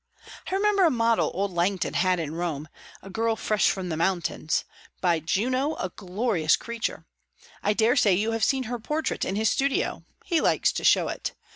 I remember a model old Langton had in Rome, a girl fresh from the mountains; by Juno! a glorious creature! I dare say you have seen her portrait in his studio; he likes to show it.